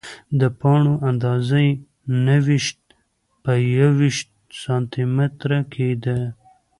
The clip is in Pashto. د پاڼو اندازه یې نهه ویشت په یوویشت سانتي متره کې ده.